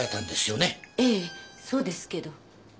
ええそうですけど。